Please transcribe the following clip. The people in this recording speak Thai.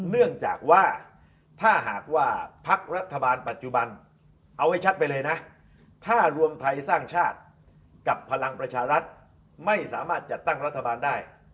เอาให้ชัดไปเลยนะถ้ารวมภัยสร้างชาติกลับพลังประชารัฐไม่สามารถจัดตั้งรัฐบาลได้